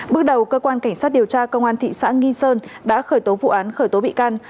bước đầu cơ quan cảnh sát điều tra công an thị xã nghi sơn đã khởi tố vụ án khởi tố bị can